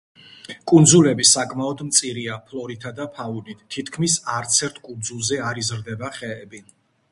კუნძულები საკმაოდ მწირია ფლორითა და ფაუნით, თითქმის არცერთ კუნძულზე არ იზრდება ხეები.